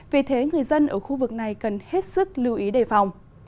vì thế người dân ở khu vực này cần hết sức lưu ý đề phòng